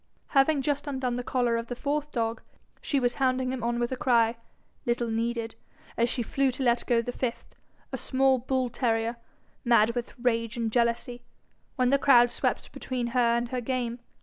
Having just undone the collar of the fourth dog, she was hounding him on with a cry, little needed, as she flew to let go the fifth, a small bull terrier, mad with rage and jealousy, when the crowd swept between her and her game.